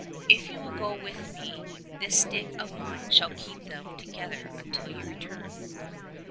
"If you will go with me this stick of mine shall keep them together until you return."